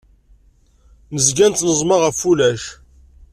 Nezga nettneẓma ɣef wulac.